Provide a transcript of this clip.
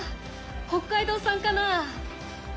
北海道産かな？